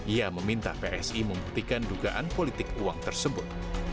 ia meminta psi membuktikan dugaan politik uang tersebut